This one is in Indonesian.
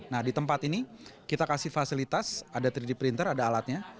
nah di tempat ini kita kasih fasilitas ada tiga d printer ada alatnya